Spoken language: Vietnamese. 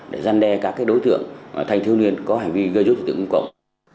để gian đe các đối tượng thanh thiếu niên có hành vi gây rút truyền tượng công cộng